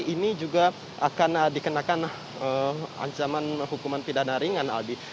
ini juga akan dikenakan ancaman hukuman pidana ringan aldi